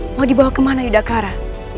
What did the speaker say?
mau dibawa kemana yudhakara